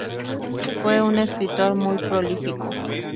Fue un escritor muy prolífico.